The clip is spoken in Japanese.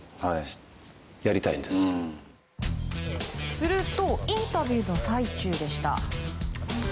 するとインタビューの最中でした。